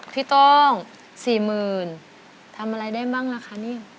พี่โต้ง๔๐๐๐๐บาททำอะไรได้บ้างล่ะคะ